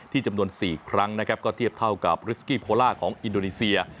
จำนวน๔ครั้งนะครับก็เทียบเท่ากับริสกี้โพล่าของอินโดนีเซีย